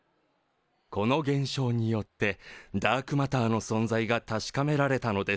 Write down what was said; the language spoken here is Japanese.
この現象によってダークマターの存在が確かめられたのです。